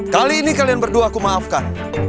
kali ini kalian berdua aku maafkan